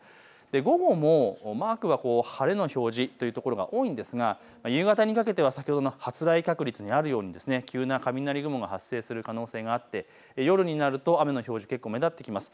午後もマークが晴れの表示というところが多いんですが夕方にかけては先ほどの発雷確率にあるように急な雷雲が発生する可能性があって夜になると雨の表示、結構目立ってきます。